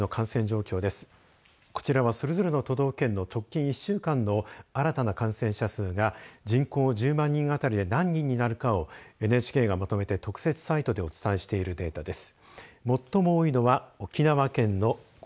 こちらは、それぞれの都道府県の直近１週間の新たな感染者数が人口１０万人当たりで何人になるかをＮＨＫがまとめて特設サイトでお伝えしているデータです。